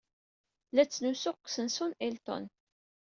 La ttnusuɣ deg usensu n Hilton.